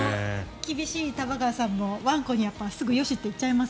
厳しい玉川さんもワンコにはすぐよしって言っちゃいます？